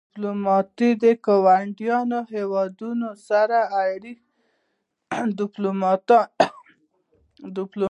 ډيپلومات د ګاونډیو هېوادونو سره اړیکې جوړوي.